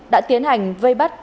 đã tiến hành vây bắt